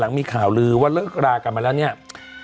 หลังมีข่าวลือว่าเลิกรากลับมาแล้ว